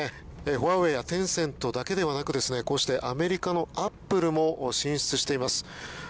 ファーウェイやテンセントだけではなくこうしてアメリカのアップルも進出しています。